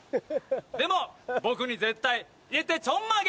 でも僕に絶対入れてちょんまげ！